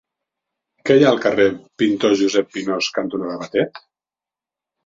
Què hi ha al carrer Pintor Josep Pinós cantonada Batet?